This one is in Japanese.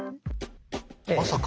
まさか。